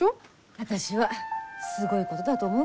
私はすごいことだと思うけどね。